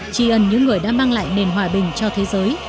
trì ẩn những người đã mang lại nền hòa bình cho thế giới